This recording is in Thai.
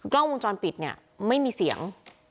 กล้องวงจรปิดเนี่ยไม่มีเสียง